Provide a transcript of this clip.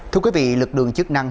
thưa quý vị lực lượng chức năng